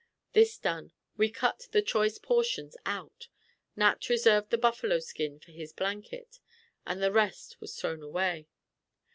This done, we cut the choice portions out. Nat reserved the buffalo skin for his blanket, and the rest was thrown away.